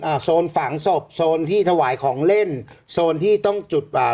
โซนฝังศพโซนที่ถวายของเล่นโซนที่ต้องจุดอ่า